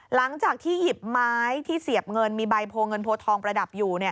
หลังจากที่หยิบไม้ที่เสียบเงินมีใบโพเงินโพทองประดับอยู่